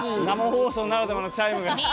生放送ならではのチャイムが。